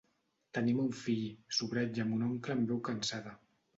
Tenim un fill, subratlla mon oncle amb veu cansada.